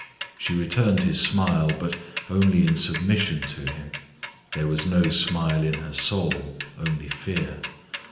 She returned his smile, but only in submission to him; there was no smile in her soul, only fear.